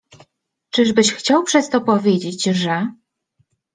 Czyżbyś chciał przez to powiedzieć, że...?